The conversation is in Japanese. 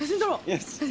よし。